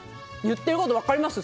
言ってること分かります！